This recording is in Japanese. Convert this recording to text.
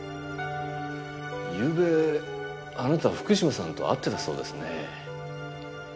ゆうべあなた福島さんと会ってたそうですね